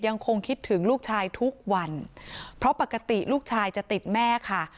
ยังคงคิดถึงลูกชายทุกวันเพราะปกติลูกชายจะติดแม่ค่ะ